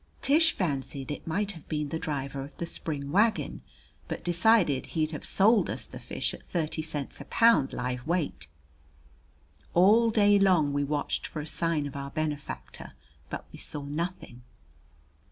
Tish fancied it might have been the driver of the spring wagon, but decided he'd have sold us the fish at thirty cents a pound live weight. All day long we watched for a sign of our benefactor, but we saw nothing.